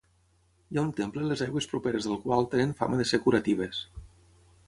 Hi ha un temple les aigües properes del qual tenen fama de ser curatives.